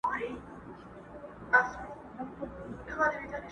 لکه ستړی چي باغوان سي پر باغ ټک وهي لاسونه٫